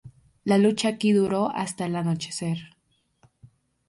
La lucha aquí duró hasta el anochecer.